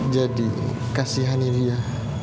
jadi kasihani dia